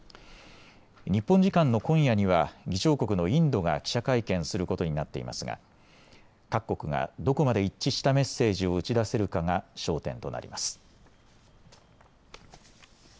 日本時間の今夜には議長国のインドが記者会見することになっていますが各国がどこまで一致ししたメッセージを打ち出せるかが焦点となります。